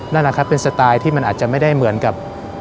นั่นแหละครับเป็นสไตล์ที่มันอาจจะไม่ได้เหมือนกับ